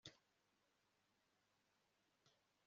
arahamagara abaturage atinimuze